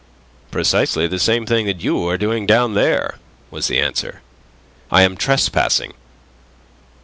"Precisely the same thing that you are doing down there," was the answer. "I am trespassing."